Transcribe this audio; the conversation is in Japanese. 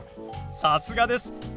さすがです。